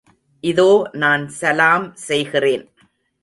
இதோ நான் சலாம் செய்கிறேன்.